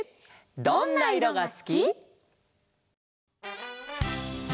「どんな色がすき」。